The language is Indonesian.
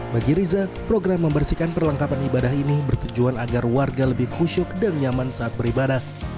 bagi riza program membersihkan perlengkapan ibadah ini bertujuan agar warga lebih khusyuk dan nyaman saat beribadah